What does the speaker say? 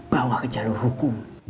bawa ke jalur hukum